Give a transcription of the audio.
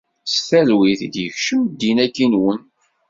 S talwit i d-yekcem ddin-agi-nwen?